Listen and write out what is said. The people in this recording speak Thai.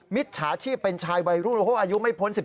มิตรชาชีพเป็นชายวัยรุ่นโรคอายุไม่พ้น๑๗๑๘หรอก